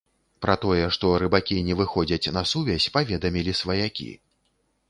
Пра тое, што рыбакі не выходзяць на сувязь, паведамілі сваякі.